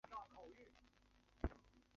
这可以用高斯算法验证。